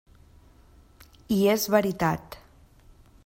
I és veritat.